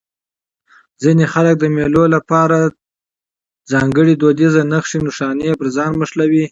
ځيني خلک د مېلو له پاره ځانګړي دودیزې نخښي نښانې پر ځان موښلوي.